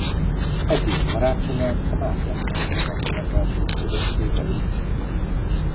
Ez év karácsonyán a Mátyás-templomban szerepelt még közönség előtt.